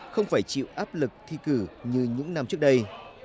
không phải chịu áp lực thi cử như những năm trước đây